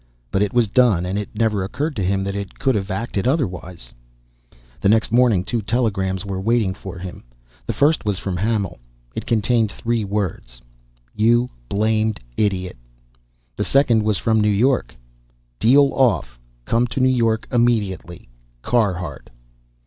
But it was done and it never occurred to him that he could have acted otherwise. Next morning two telegrams were waiting for him. The first was from Hamil. It contained three words: "You blamed idiot!" The second was from New York: "Deal off come to New York immediately Carhart."